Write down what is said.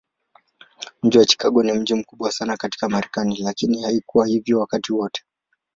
Mji wa Chicago ni mji mkubwa sana katika Marekani, lakini haikuwa hivyo wakati wote.